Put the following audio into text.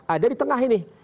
ada di tengah ini